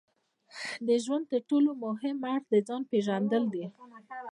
د ژوند ترټولو مهم اړخ د ځان پېژندل دي.